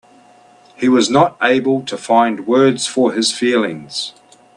He was not able to find words for his feelings.